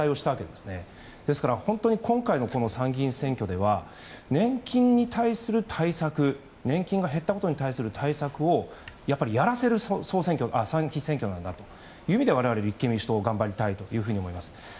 ですから本当に今回の参議院選挙では年金に対する対策年金が減ったことに対する対策をやっぱりやらせる参議院選挙なんだという意味で我々、立憲民主党頑張りたいと思います。